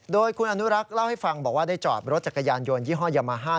โดยคุณอนุรักษ์เล่าให้ฟังบอกว่าได้จอดรถจักรยานยนต์ยี่ห้อยามาฮ่า